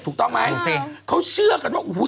ถูกต้องไหมเขาเชื่อกันว่า